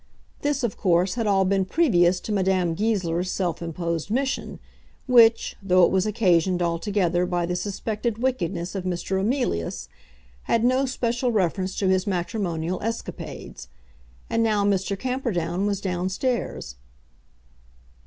This, of course, had all been previous to Madame Goesler's self imposed mission, which, though it was occasioned altogether by the suspected wickednesses of Mr. Emilius, had no special reference to his matrimonial escapades. And now Mr. Camperdown was down stairs.